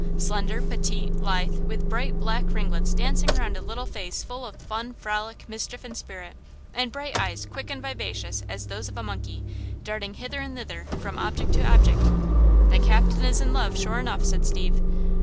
slender, petite, lithe, with bright, black ringlets dancing around a little face full of fun, frolic, mischief and spirit, and bright eyes quick and vivacious as those of a monkey, darting hither and thither from object to object." "The captain is in love sure enough," said Steve.